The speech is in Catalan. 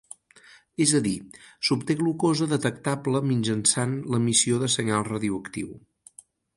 És a dir, s'obté glucosa detectable mitjançant l'emissió de senyal radioactiu.